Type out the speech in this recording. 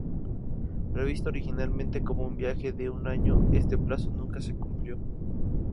Previsto originalmente como un viaje de un año este plazo nunca se cumplió.